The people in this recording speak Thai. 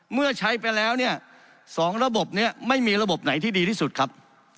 เมื่อใช้ไปแล้วเนี่ย๒ระบบนี้ไม่มีระบบไหนที่ดีที่สุดครับ